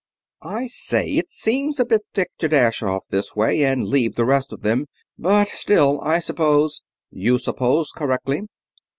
"I say, it seems a bit thick to dash off this way and leave the rest of them; but still, I suppose...." "You suppose correctly."